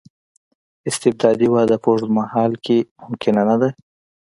استبدادي وده په اوږد مهال کې ممکنه نه ده.